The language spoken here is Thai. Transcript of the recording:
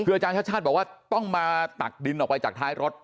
คืออาจารย์ชาติชาติบอกว่าต้องมาตักดินออกไปจากท้ายรถ